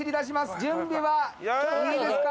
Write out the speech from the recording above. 準備はいいですか？